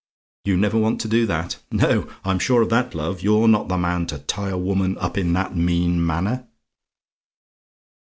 "YOU NEVER WANT TO DO THAT? "No, I'm sure of that, love: you're not the man to tie a woman up in that mean manner.